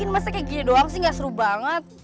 masa kayak gini doang sih gak seru banget